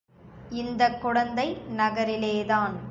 இந்தக் குடந்தை நகரிலேதான்.